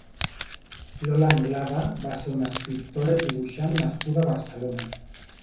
Lola Anglada va ser una escriptora i dibuixant nascuda a Barcelona.